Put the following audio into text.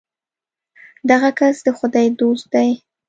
دغه کس د خدای دوست دی.